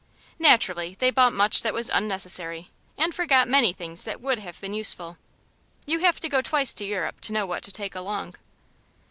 Naturally, they bought much that was unnecessary and forgot many things that would have been useful. You have to go twice to Europe to know what to take along.